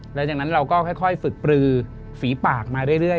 หลังจากนั้นเราก็ค่อยฝึกปลือฝีปากมาเรื่อย